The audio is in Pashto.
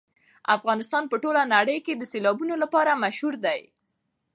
افغانستان په ټوله نړۍ کې د سیلابونو لپاره مشهور دی.